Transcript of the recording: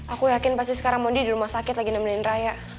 aku yakin pasti sekarang mondi di rumah sakit lagi nemenin raya